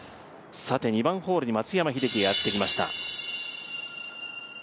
２番ホールに松山英樹がやってきました。